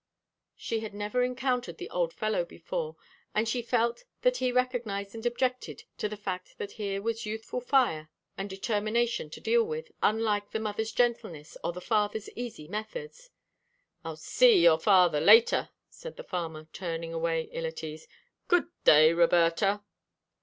She had never encountered the old fellow before, and she felt that he recognized and objected to the fact that here was youthful fire and determination to deal with, unlike her mother's gentleness or her father's easy methods. "I'll see your father later," said the farmer, turning away ill at ease. "Good day, Roberta."